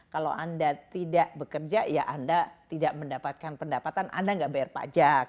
kalau anda tidak bekerja ya anda tidak mendapatkan pendapatan anda nggak bayar pajak